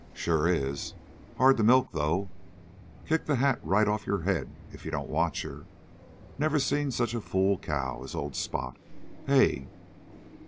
"Sure is! Hard to milk, though. Kick the hat right off'n your head if you don't watch her. Never see such a fool cow as old Spot! Hey!"